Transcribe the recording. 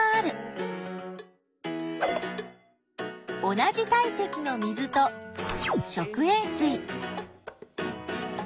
同じ体積の水と食塩水。